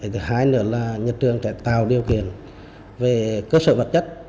thứ hai nữa là nhà trường sẽ tạo điều kiện về cơ sở vật chất